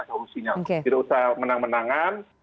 solusinya tidak usah menang menangan